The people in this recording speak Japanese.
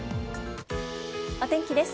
お天気です。